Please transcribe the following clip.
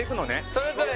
それぞれ。